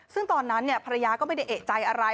ซึ่งตอนนั้นภรรยาก็ไม่ได้เอกใจอะไร